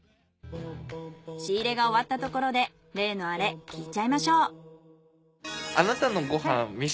仕入れが終わったところで例のアレ聞いちゃいましょう！